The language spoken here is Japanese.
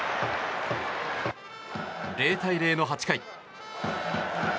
０対０の８回。